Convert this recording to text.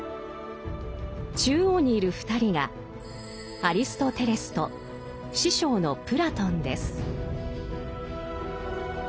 中央にいる２人がアリストテレスと師匠のプラトンです。